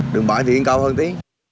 đường bảy thì yên cao hơn tí